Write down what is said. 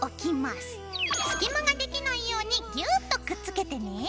すき間ができないようにギューっとくっつけてね。